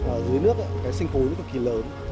ở dưới nước cái sinh phối rất là kỳ lớn